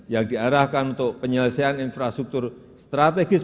yang diarahkan untuk penyelesaian infrastruktur strategis